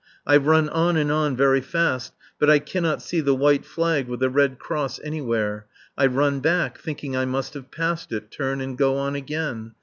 I run on and on very fast, but I cannot see the white flag with the red cross anywhere; I run back, thinking I must have passed it, turn and go on again.